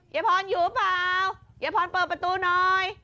ยายพรอยู่หรือเปล่ายายพรเปิดประตูหน่อย